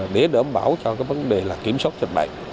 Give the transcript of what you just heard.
để đỡ ẩm bảo cho cái vấn đề kiểm soát dịch bệnh